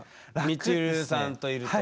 みちるさんといると。